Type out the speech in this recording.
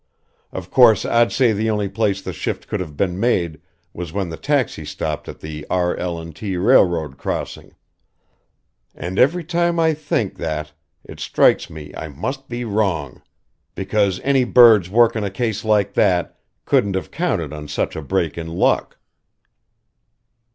Of course I'd say the only place the shift could have been made was when the taxi stopped at the R. L. & T. railroad crossing and every time I think that it strikes me I must be wrong. Because any birds working a case like that couldn't have counted on such a break in luck."